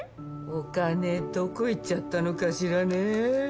お金どこ行っちゃったのかしらね。